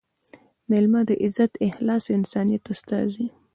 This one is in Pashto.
مېلمه – د عزت، اخلاص او انسانیت استازی